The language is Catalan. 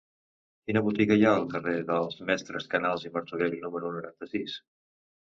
Quina botiga hi ha al carrer dels Mestres Casals i Martorell número noranta-sis?